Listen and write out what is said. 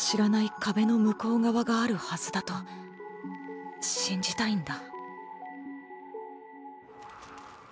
壁の向こう側があるはずだと信じたいんだ。